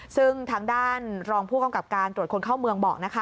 ซึ่งทางด้านรองผู้กำกับการตรวจคนเข้าเมืองบอกนะคะ